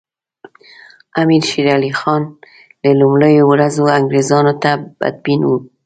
امیر شېر علي خان له لومړیو ورځو انګریزانو ته بدبین وو.